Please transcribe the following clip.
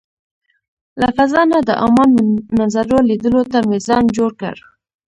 له فضا نه د عمان منظرو لیدلو ته مې ځان جوړ کړ.